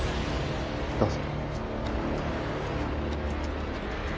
どうぞ。